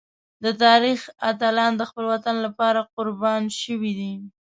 د تاریخ اتلان د خپل وطن لپاره قربان شوي دي.